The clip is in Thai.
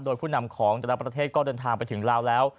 โดยผู้นำของแต่ละประเทศก็เดินทางไปถึงลาวแล้ว